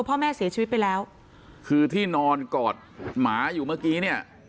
พ่อแม่เสียชีวิตไปแล้วคือที่นอนกอดหมาอยู่เมื่อกี้เนี่ย